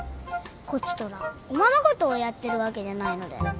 こちとらおままごとをやってるわけじゃないので。